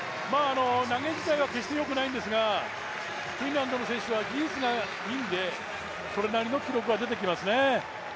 投げ自体は決してよくないんですがフィンランドの選手は技術がいいので、それなりの記録が出てきますね。